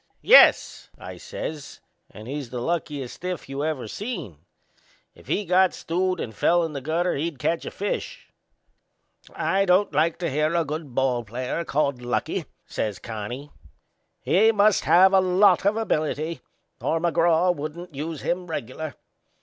"Yes," I says; "and he's the luckiest stiff you ever seen! If he got stewed and fell in the gutter he'd catch a fish." "I don't like to hear a good ball player called lucky," says Connie. "He must have a lot of ability or McGraw wouldn't use him regular.